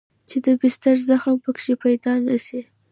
چې د بستر زخم پکښې پيدا نه سي.